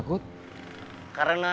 penyelidikan yang diperlukan adalah